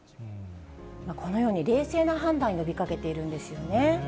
このように冷静な判断を呼びかけているんですよね。